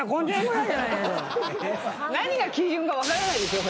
何が基準か分からないですよ。